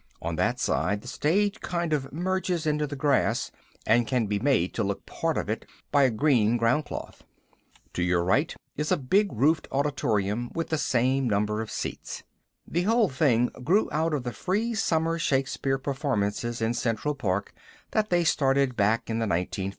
On that side the stage kind of merges into the grass and can be made to look part of it by a green groundcloth. To your right is a big roofed auditorium with the same number of seats. The whole thing grew out of the free summer Shakespeare performances in Central Park that they started back in the 1950's.